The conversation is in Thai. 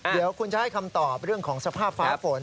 เดี๋ยวคุณจะให้คำตอบเรื่องของสภาพฟ้าฝน